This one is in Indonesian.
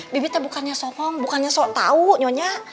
bibik tuh bukannya sok ngong bukannya sok tau nyonya